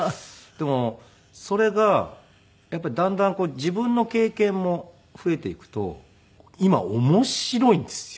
でもそれがやっぱりだんだんこう自分の経験も増えていくと今面白いんですよ。